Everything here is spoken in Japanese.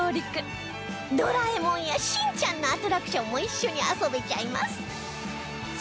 『ドラえもん』や『しんちゃん』のアトラクションも一緒に遊べちゃいます